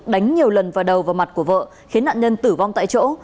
đánh nhiều lần vào đầu và mặt của vợ khiến nạn nhân tử vong tại chỗ